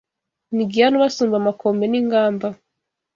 Na Giyane ubasumba Amakombe n’Ingamba